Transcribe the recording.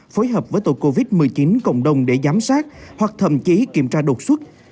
phối hợp với tổ covid một mươi chín cộng đồng để giám sát hoặc thậm chí kiểm tra đột xuất